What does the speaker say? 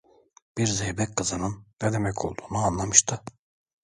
Bir zeybek kızının ne demek olduğunu anlatmıştı.